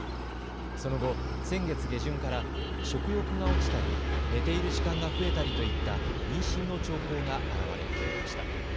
その後、先月下旬から食欲が落ちたり、寝ている時間が増えたりといった妊娠の兆候が現れ始めました。